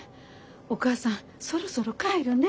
お母さんそろそろ帰るね。